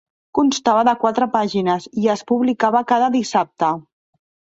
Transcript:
Constava de quatre pàgines i es publicava cada dissabte.